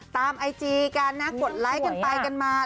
ไอจีกันนะกดไลค์กันไปกันมา